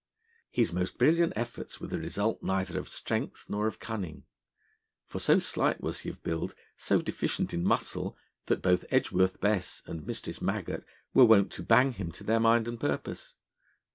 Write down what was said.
His most brilliant efforts were the result neither of strength nor of cunning; for so slight was he of build, so deficient in muscle, that both Edgworth Bess and Mistress Maggot were wont to bang him to their own mind and purpose.